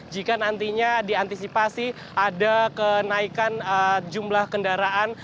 jika nantinya diantisipasi ada kenaikan jumlah kendaraan